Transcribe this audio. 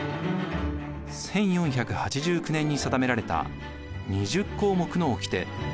１４８９年に定められた２０項目のおきて。